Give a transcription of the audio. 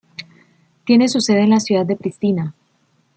Tiene su sede en la ciudad de Pristina.